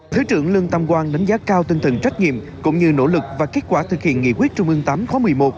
thứ trưởng lương tam quang đánh giá cao tinh thần trách nhiệm cũng như nỗ lực và kết quả thực hiện nghị quyết trung ương viii khóa một mươi một